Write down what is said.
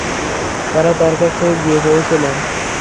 তারা তার কাছে গিয়ে পৌঁছলেন।